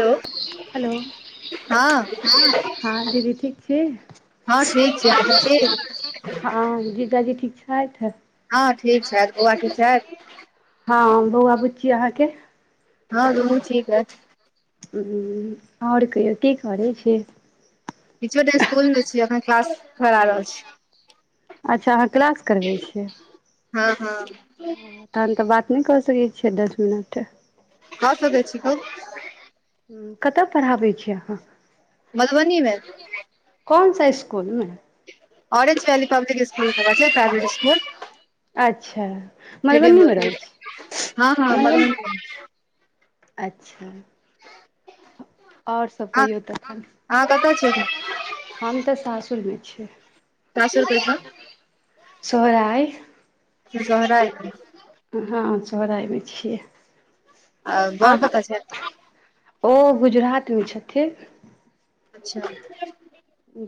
Hello hello हँ हँ दीदी ठीक छी। हँ ठीक छै अहाँ ठीक हँ जीजी जी ठीक छह। हँ ठीक छथि बौआ ठीक छथि। हँ बौआ बुच्ची अहाँके। हँ दुनू ठीक अ। ह आओर कहियौ की करै छै। किछो टा स्सकुल मे छी अखन क्लास भरा रहल छी। अच्छा अहाँ क्लास करबै छियै। हँ हँ। तहन तऽ बात नहि कऽ सकै छियै दस मिनट कह सके छी कह। कतय पढ़ाबै छीिय अहाँ। मधुबनी मे कोन सा इसकुल मे अरेंज भाली पब्लिक स्कुल खब प्राइभेट स्कुल अच्छा मधुबनी मे रोड रहै छी हँ हँ मधुबनी अच्छा आओर सब अहाँ कहियौ तखन अहाँ कतऽ छियै अखन हम तऽ सासुर मे छीयै [unintelligible] सोहरा अए [unintelligible] हँ सोहराय होइ छियै आ बर कतऽ छथि [unintelligible] ओ गुजरात में छथिन अच्छा [unintelligible]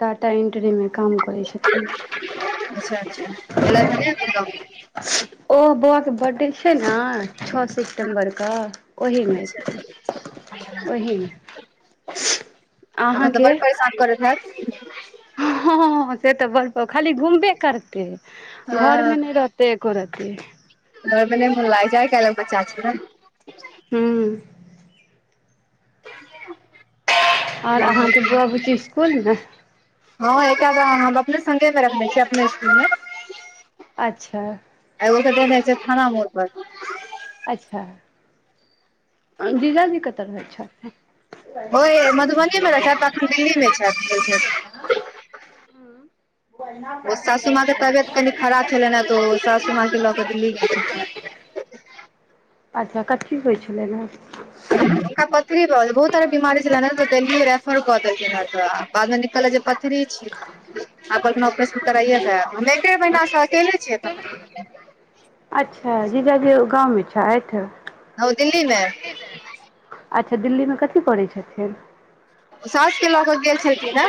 डाटा एन्ट्री में [unintelligible] अच्छा अच्छा एलैथ ह ने एखन गांव ओ बौआ कऽ बर्थडे छै न छओ स सितम्बर कऽ ओहिमे अच्छा एथिन [inaudible] ओहिमे [unintelligible] अखन अहाँ केँ [unintelligible] [unintelligible] हँ से तऽ बड़ प खाली घुमबे करते घर मे नै रह - - ते एको रत्ती घर में नै मोन लागे छै आई कैलहैक बच्चा छियै न हूँ [unintelligible] और अहाँ कऽ बुआ बुची इसकुल में हँ एकटा कऽ हम अपने संगे में रखने छियै अपने इसकुल में अच्छा एगो केँ देनै छयै थाना मोड़ पर अच्छा आ जीजाजी कतऽ रहै छथी ओहि मधुबनी मे रहै छथि अखन दिल्ली मे [unintelligible] छथि गेल छथि हऽ ओ सासू माँ के तबियत कनि खराब छलैह ने तऽ ओ सासु माँ के लऽ कऽ दिल्ली गेलखिन ह [inaudible] अच्छा कथी होइ छ्लैन ह हुनका पत्थरी भऽ गेलै बहुत सारा बीमारी छल देल्ही रेफर कऽ देलखिन तऽ बाद मे निकलले जे पथरी छी आब कहलखीन ऑपरेशन करइे के आयब हम एक महिना से अकेले छी [unintelligible] अच्छा जीजा जी गाँव मे छैथ ह दिल्ली मे दिल्ली में अच्छा दिल्ली मे कथी करै छथिन ओ सउस कऽ लऽ कऽ गेल छलखीन हे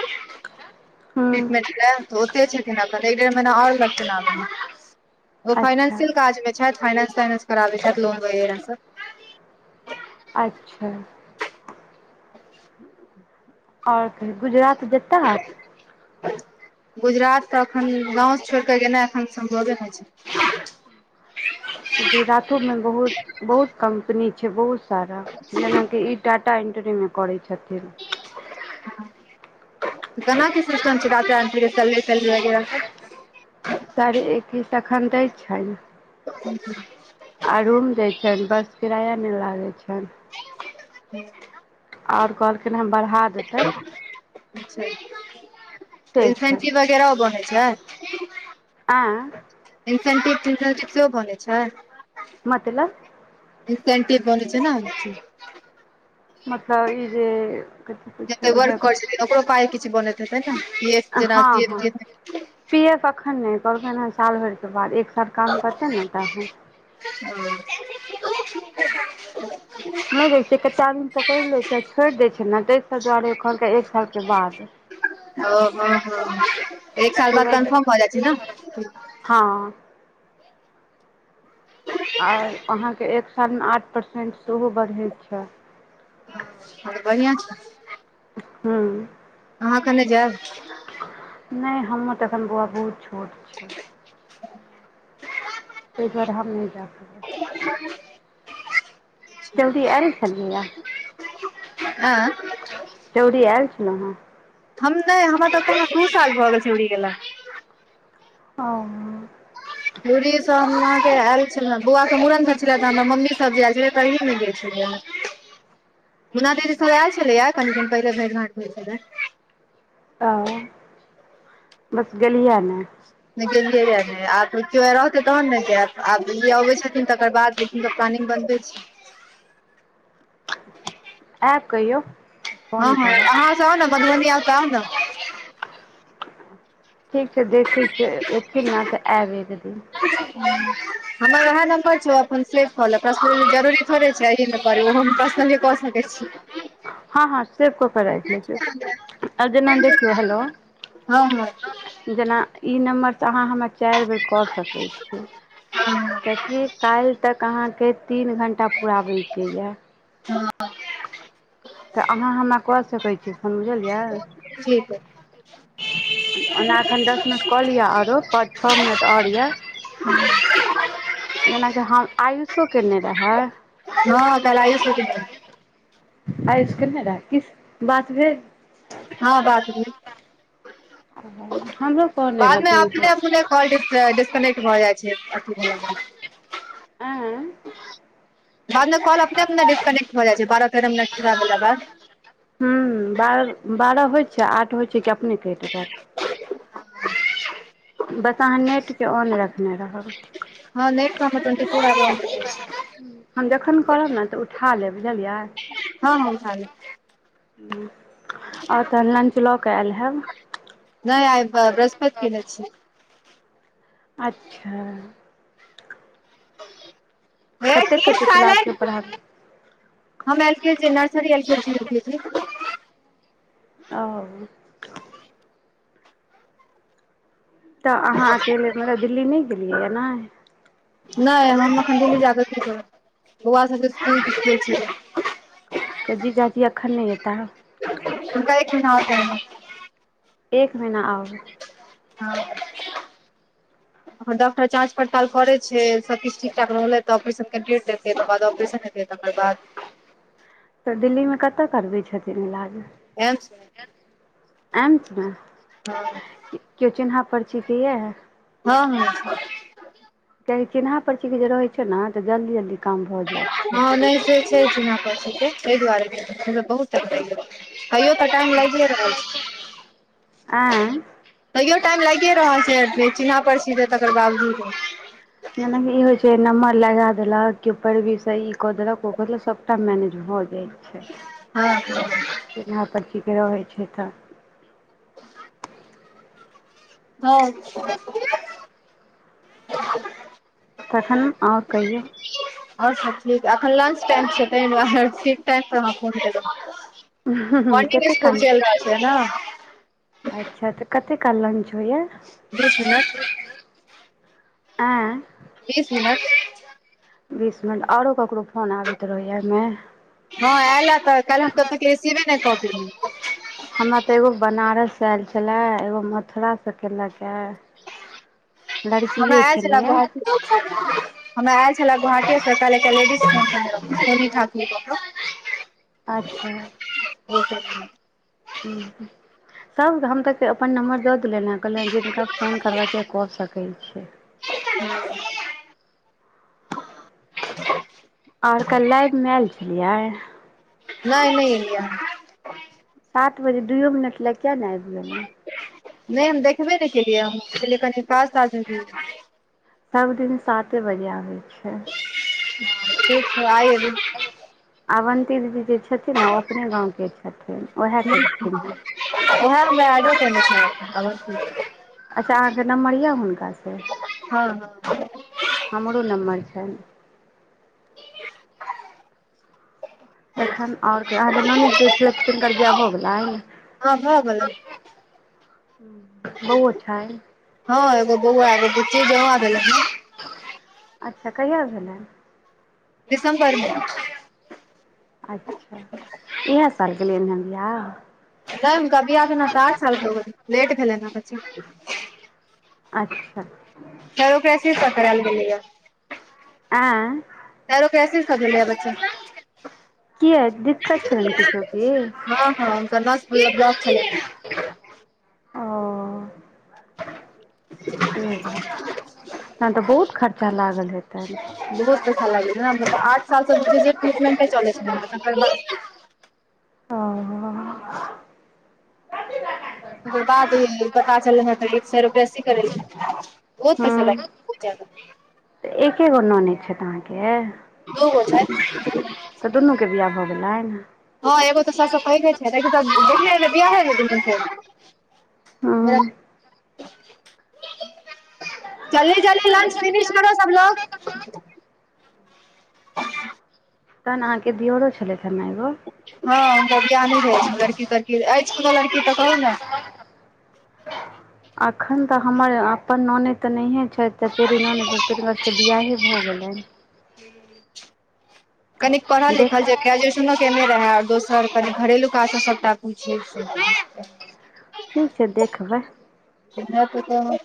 हूँ ट्रीटमेंट लै तऽ ओते छथिन अपन एक डेढ़ महिना और लगतै आबै में ओ अच्छा फाइनेंशियल काज में छथि फाइनेंस ताइनेंस कराबैत छथि लोन वगैरह सब अच्छा और कहियो गुजरात जेता [inaudible] गुजरात तऽ एखन गाँव सँ छोड़ि कऽ गेना एखन सम्भवे नै छैन गुजरातो में बहुत बहुत कम्पनी छै बहुत सारा जेनाकि ई टाटा [unintelligible] करै छथिन [unintelligible] सारे एक्कीस एखन दै छै न कम्पनी आ रूम दय छैन बस किराया नै लागे छैन [unintelligible] और कहलखिन हं बढ़ा देतैन [unintelligible] से छनि इन्सेंटीव वगेर बने छै [unintelligible] इन्सेंटिव तिन्सेंटिव सेहो बनै छै मतलब इन्सेंटिव बनै छै न मतलब ई जे कथी कहै जेते छै ओ जे वर्क करै छथिन ओकरो पाइ किछ बनैत हेतै न हँ हँ [inaudible] पी एफ अखन नै कहलकैन हं साल भरि केँ बाद एक साल काम करतै ने तखन [unintelligible] नै दै छै कतेक आदमी पकैड़ लै छै छोड़ दै छै न तैय सब दुआरे कहलके एक साल केँ बाद ओ हो हो एक साल बाद सूरज कन्फर्म भ जाइ छै न हँ और अहाँकेँ एक साल में आठ परसेन्ट सेहो बढ़ैत छै और बढ़िआँ छै [unintelligible] अहाँ अखन नै जायब नै हमर तऽ एखन बौआ बहुत छोट छै तैय दुआरे हम नै जायब पब चौरी ऐल छैलिहि य आँ [inaudible] चौरी ऐल छलौ हँ हम नै हमरा तऽ पोने दू साल भऽ गेल छै [unintelligible] गेला हऽ दूी सब हमरा के आयल छले बौआ के मुड़न सब छले त हमरा मम्मी सब जे आयल छले [unintelligible] दीदी सब आयल छलैया कनि दिन पहिले भेंट घांठ भेल छलै तऽ [inaudible] बस गेलियै न गेलियै य नै आब त कियो रहतै तहन ने जायब अबैत छथिन तकर बाद प्लानिंग बनबै छी [unintelligible] ऐब कहियौ तऽ हँ फोन हँ करब अहाँ सभ आउ न मधुबनी ऐब तऽ आउ तऽन ठीक छै देखै छी एथिन न तऽ आयब एक दिन [unintelligible] हमर वएह नम्बर छै अपन सेव को लेब पर्सनली जरूरी थोड़े छै [unintelligible] ऽ सकै छी हँ हँ सेव को के राखि लय छि [inaudible] - आब जेना देखिय हेलो हँ हँ [inaudible] जेना ई नम्बर स अहाँ हमर चाइ बेर कऽ सकै छी कियाकि काइल तक अहाँ केँ तीन घण्टा पुराबै केँ यऽ तऽ अहाँ हमरा कऽ सकै छी फोन बुझलियै ठीक अय [unintelligible] ओना दस मिनट कऽ लिअ ओरो पाँच छओ मिनट ओर यए [unintelligible] जेनाकि हम आयुषो केने रहै हँ काइल आयुषो केने रहे आयुष केने रहे कि बात भेल [unintelligible] हँ बात भेल हमरो कहने बादमे रहथिन अपने ज अपने कॉल डिस्कनेक्ट भ जाइ छै अथी भेला आए बाद मे कॉल अपने अपने डिकने्ट भए जाइ छै बारह तेरह मिनट क बाद हूँ बारह बारह होइ छै आठ होइ छै कि अपने कटि जायत बस अहाँ नेटके ऑन रखने रहब हँ नेट तऽ हमर टवेन्टीफोर आवर हम जखन करब ने तऽ उठा लेब बुझलियै हँ हँ उठा लैब ओर तऽ लंच लऽ केऽ आयल हैब नय आइ पैव बृहस्पति कने छी अच्छा हे कते कीप कते क्लास के साइलेंट पढ़ हम L K G nursery L KG U KG ओऽ तऽ अहाँ अकेले मने दिल्ली नय गेलियै य ने नय हम अखन दिल्ली जाके कि करब बौआ सब के [inaudible] त जीजाजी अखन नय ऐता [inaudible] एक महीना आउर हँ [inaudible] ओ डॉक्टर जाच पड़ताल करे छै सब किछ ठीक ठाक रहल त ऑपरेशन डेट देतै तकर बाद ऑपरेशन हे तय तकर बाद तऽ दिल्लीमे कतऽ करबै छथिन इलाज एम्स मे एम्स मे हँ क्यो चिन्हा पर्ची के एय हँ हँ छथिन कआि चिन्हा परची के जे रहे छै ने जल्दी जल्दी काम भ जाय [inaudible] हँ नय से छै चिन्हा परची दुआारे बहु टाइम लग अइयो तऽ टाइम लागे रहल छै आँय तैयो टाइम लाइगे रहल छै चिन्हा परची दे तकर बावजूदो मने ई होइ छै नम्बर लगा देलक कि पैवीसँ ई कऽ देलक ओऽ देलक सभटा मैनेज भऽ जाइ हँ [inaudible] चीन्हा परची के रहै छै तऽ अच्छा [inaudible] तखन ओर कहियौ ओर सब ठीक एखन लांच टाइम छै त ठीक टाइम पर अहाँ फोन केलो मनिंग कते स्कूल काल चएल रहल छै न अच्छा तऽ कते काल लगे छो होइया दस मिनट [inaudible] [inaudible] आँए बीस मिनट। बीस मिनट आओरो करो फोन आबैत रहैया एहिमे। ह आयल तऽ कालतसीबे ने कऽ हमरा ते एगो बनारस आयल छले एगो मथुरा से केलक हमरा लड़किए आयल छले छलै। गोहाटी हमरा आयल छल गुहाटीसँ ठुर अच्छा। ह। सभ हम तऽ अपन नम्बर दऽ देले ने। कहलनि जे जिनका फोन करबऽ के कऽ सकैत छै। [unintelligible] ओर क्ला मैल चलिया नहि नहि एलियै हम सात बजे दुइयो मिनट लए किए नहि आबि गेलहु नहि हम देखबे नहि केलियै हम पे कनि पास आ जी सभ दिन साते बजे आबे छै ठीक ह आई अभी अवन्ती दीदी जे छथिन ने ओ अपने गाव के छथि ठीक ओएह मै आडो कने छै अच्छा अहाँकेँ नम्बर यए हुनकासँ ह हमरो नम्बर छै। तखन आओर अहाँकेँ नै जे छलै हुनकर वियाह भ हो गेलै ह भऽ गेलोल बौओ छनि हँग बहु आब च अच्छा कहिया भेलै। दिस्बर मे अच्छा इएह सर गेलिय बिह नहि कभी आ ने तऽ आठ साल के लेट भेलै ने बच्चा अच्छा फेर ओकरा शिफ्ट करायल गेलैये आ आरो कैसे सब भेलै बच्चा कि दऽ छलनि किछ कि ह ह गनाथप ब्लॉक छै ओ। नहि तऽ बहुत खर्चा लागल ह बहुत अच्छा लागै छै नेऽ आठ सालसँ टमेट चलै छै आ। करबाद पता चल ह तऽ गर बेसी करेल बहुत हूँ पैसा लाग बहुत जदा जी। तऽ एके गो ननाद छथि अहाँकेँ दो गो छै तऽ दुनूके वियाह भऽ गेलै ने ह एगो तऽ सस कहहिले छै तऽ देख बि हो ने हूँ नहि। चले चल लंच फनिश करो सभ लोग ह। तहन अहाँकेँ दियरो छलथि हे एगो हँ हुनका ज्ञाने रहय छ लड़की तड़की अछि कोनो लड़की तऽ कहुन अखन तक हमर अपन ननैद तऽ नहिये छै चचेरी ननैद तकरातवियाहे‌ भऽ गेलै कनी पढ़ल देख लिखल जदी ग्रेजुएशनो केने रहै आर दोसर घरेलू काज सभटा पूछिपुछिक ठीक छै देखबै ना ना तो देखब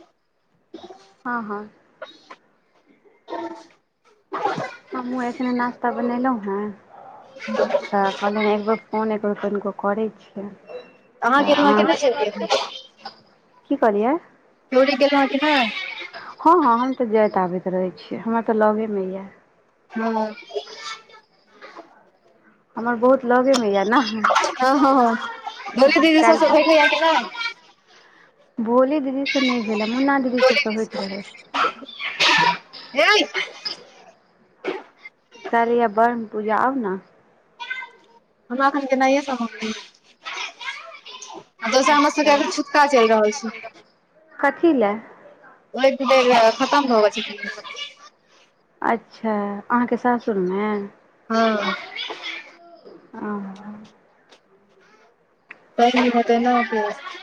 हँ हँ हमहुूँ एखने नाास्ता बनेलहुँ हें ह तऽ कहलियनि एक बेर फोने परभैट करि अहाँ गेल रहौं कि नहि छलियै की कहलियै जोरी गेलहकि नहि हँ हँ हम तऽ जाइत आबैत रहै छीियै हमर तऽ लगे मे यऽ हँ हमर बहुत लगे मे ये नऽह हँ हँ हँ डोली दीदी सबसँ भेटैया काइल्हस कि नहि भोली दीदी से नहि भेलहेंय‍। हमरा दीदी से सब होइत रहे [unintelligible] काल्हि ये ब्रह्म पूजा आउ न हमरा एखन गेनायये संभव नहि--ऐ आ दोसर हमर अच्छा सबके एखन छुतका चलि रहल छैय कथी ले ओहि दुआरे खतम भऽ गेल छैय अच्छे अहाँके सासुर मे--ह हँ तैह दिन भऽ के नह केश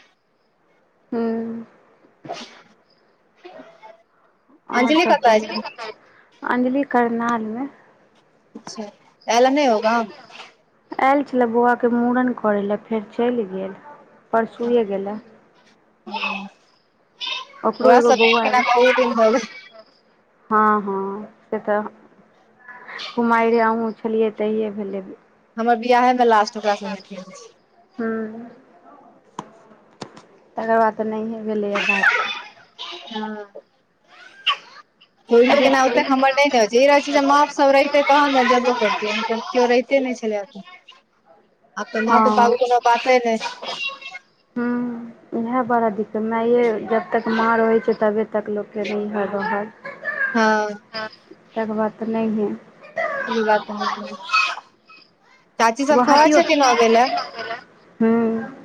हूँ [unintelligible] आओर अंजली सभ कतऽ अछि एखन कहियौ अंजलि करनााल मे अच्छऽ ऐल नहि ओ गांव ऐल छलय बौआ के मुड़न करयलय फेर चलि गेल परसुये गेलए ओकरो ओकरा एगो स भेंट बौआ एगो केनाय बहुत दिन भऽ गेल हँ हँ से तऽ कुमारिये हमहुँ छलियै तहिये भेलै भेंट हमर बियाहे मे लास्ट ओकरा स भेंट भेल रहै हूँ तकर बाद तऽ नहिये भेलैये बात ह भ केना देखबै बातहेतै नहि छै रहै छै ज ओ सब रहिते तहन ने जेबो कैरतीयै मगर कियो रहिते नहि छलयत आ न तऽ माघ हँ फागुनतक बातें नहीं हुं उहे बड़ा दिक्कत माये जबतक माँ रहय छैय तबे तक लोक फेर हँ हुनका--तेँ दुआरे तऽ नहि गेल ई बात त हम--चाची सब कहैय गुवाहाटियो छथिन्ह आनै ले हूँ